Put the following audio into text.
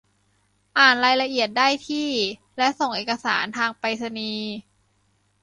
อ่านรายละเอียดได้ที่ และส่งเอกสารทางไปรษณีย์